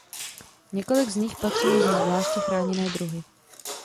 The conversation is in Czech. Několik z nich patří mezi zvláště chráněné druhy.